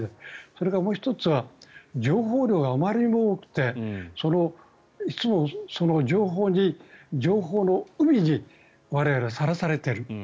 それからもう１つは情報量があまりにも多くてその情報の海に我々はさらされている。